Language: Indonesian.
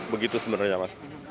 begitu sebenarnya mas